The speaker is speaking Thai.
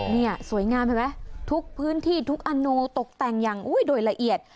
นี่สวยงามเห็นไหมทุกพื้นที่ทุกอโนตกแต่งอย่างโดยละเอียด